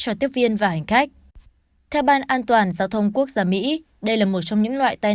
cho tiếp viên và hành khách theo ban an toàn giao thông quốc gia mỹ đây là một trong những loại tai